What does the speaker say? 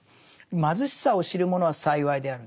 「貧しさを知るものは幸いである」。